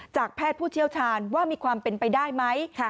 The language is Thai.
แพทย์ผู้เชี่ยวชาญว่ามีความเป็นไปได้ไหม